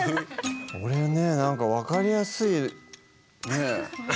これねなんか分かりやすいね。